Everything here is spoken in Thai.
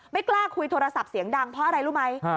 ไม่กล้าคุยโทรศัพท์เสียงดังเพราะอะไรรู้ไหม